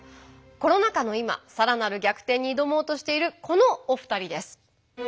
コロナ禍の今さらなる逆転に挑もうとしているこのお二人です。